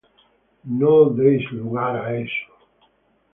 Ni deis lugar al diablo.